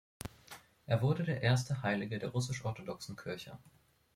Er wurde der erste Heilige der russisch-orthodoxen Kirche.